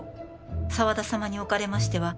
「沢田様におかれましては」